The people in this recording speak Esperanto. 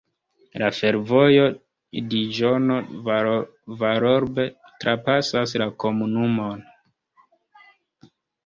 La fervojo Diĵono-Vallorbe trapasas la komunumon.